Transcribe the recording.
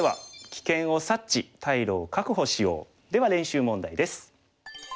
では練習問題です。